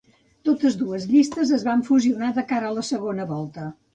Totes dues llistes es van fusionar de cara a la segona volta.